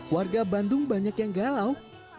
warga bandung banyak yang galau